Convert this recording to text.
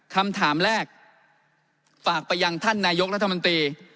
คำถามแรกฝากไปยังท่านนายกรัฐมนตรี